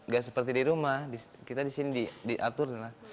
gak seperti di rumah kita di sini diatur lah